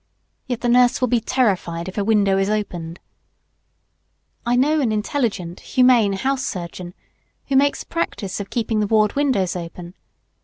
Yet the nurse will be terrified, if a window is opened. [Sidenote: Open windows.] I know an intelligent humane house surgeon who makes a practice of keeping the ward windows open.